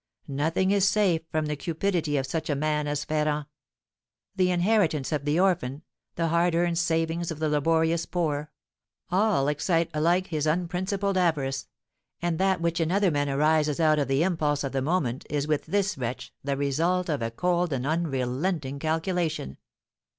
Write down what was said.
Nothing is safe from the cupidity of such a man as Ferrand: the inheritance of the orphan, the hard earned savings of the laborious poor, all excite alike his unprincipled avarice; and that which in other men arises out of the impulse of the moment is with this wretch the result of a cold and unrelenting calculation.